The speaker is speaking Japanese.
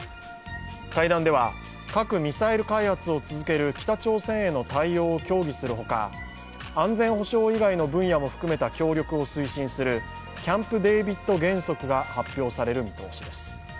会談では核・ミサイル開発を続ける北朝鮮への対応を協議するほか安全保障以外の分野も含めた協力を推進するキャンプ・デービッド原則が発表される見通しです。